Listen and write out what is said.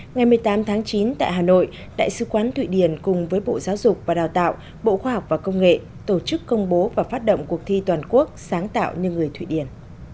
ngày một mươi tám tháng chín tại hà nội đại sứ quán thụy điển cùng với bộ giáo dục và đào tạo bộ khoa học và công nghệ tổ chức công bố và phát động cuộc thi toàn quốc sáng tạo như người thụy điển